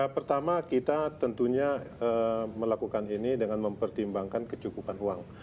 pertama kita tentunya melakukan ini dengan mempertimbangkan kecukupan uang